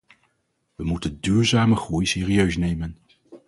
We moeten duurzame groei serieus nemen.